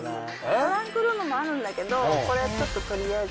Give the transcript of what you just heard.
トランクルームもあるんだけど、これちょっととりあえず。